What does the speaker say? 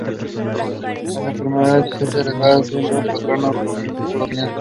La enfermedad es heredada siguiendo un patrón autosómico dominante.